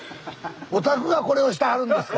おたくがこれをしてはるんですか？